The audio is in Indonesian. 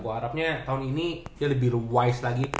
gue harapnya tahun ini dia lebih wise lagi